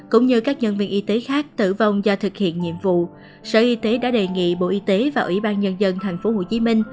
cũng như các nhân viên y tế khác tử vong do thực hiện nhiệm vụ sở y tế đã đề nghị bộ y tế và ủy ban nhân dân tp hcm